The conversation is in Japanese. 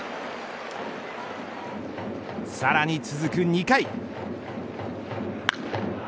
さらに続く２回。